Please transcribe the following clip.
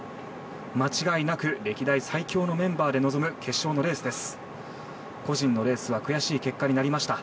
間違いなく歴代最強のメンバーで臨む決勝のレースです。